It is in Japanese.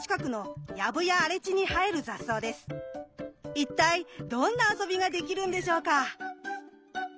一体どんな遊びができるんでしょうか？